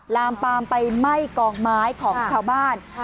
ลามปามไปไหม้กองไม้ของชาวบ้าน